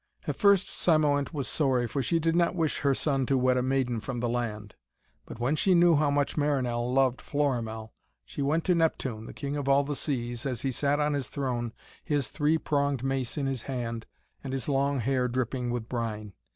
At first Cymoënt was sorry, for she did not wish her son to wed a maiden from the land. But when she knew how much Marinell loved Florimell, she went to Neptune, the King of all the Seas, as he sat on his throne, his three pronged mace in his hand, and his long hair dripping with brine.